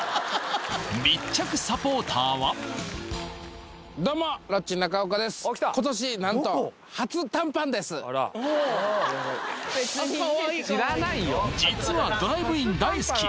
密着サポーターは実はドライブイン大好き！